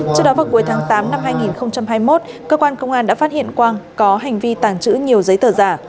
trước đó vào cuối tháng tám năm hai nghìn hai mươi một cơ quan công an đã phát hiện quang có hành vi tàng trữ nhiều giấy tờ giả